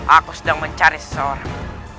aku sedang mencari seseorang